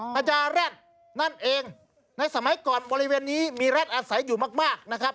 พระจาแร็ดนั่นเองในสมัยก่อนบริเวณนี้มีแร็ดอาศัยอยู่มากมากนะครับ